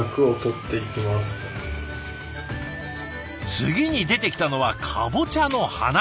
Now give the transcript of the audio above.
次に出てきたのはカボチャの花。